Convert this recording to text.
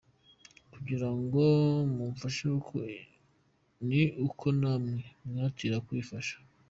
Kugira ngo mubafashe ni uko namwe mwihatira kwifasha.